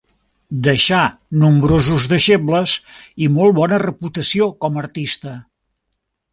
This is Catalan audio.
Deixà nombrosos deixebles i molt bona reputació com artista.